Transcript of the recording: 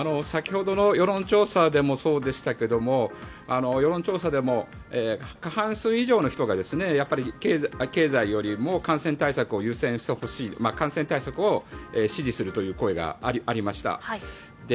先ほどの世論調査でもそうでしたが世論調査でも過半数以上の人がやっぱり経済よりも感染対策を優先してほしい感染対策を支持するという声がありました。